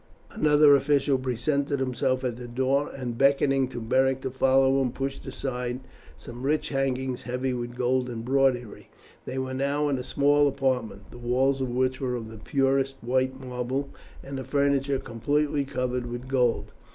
Another official presented himself at the door, and, beckoning to Beric to follow him, pushed aside some rich hangings heavy with gold embroidery. They were now in a small apartment, the walls of which were of the purest white marble, and the furniture completely covered with gold.